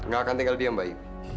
gak akan tinggal diam bayu